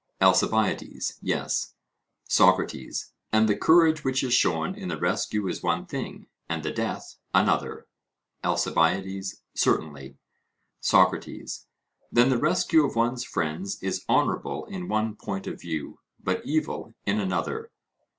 ALCIBIADES: Yes. SOCRATES: And the courage which is shown in the rescue is one thing, and the death another? ALCIBIADES: Certainly. SOCRATES: Then the rescue of one's friends is honourable in one point of view, but evil in another?